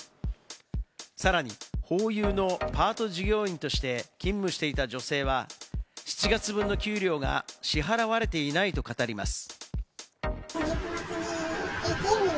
さらにホーユーのパート従業員として勤務していた女性は、７月分の給料が支払われていないと語ります。